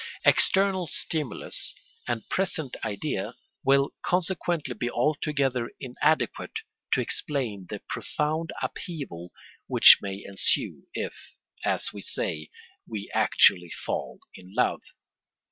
External stimulus and present idea will consequently be altogether inadequate to explain the profound upheaval which may ensue, if, as we say, we actually fall in love.